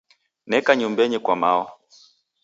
Neka nyumbenyi kwa mao.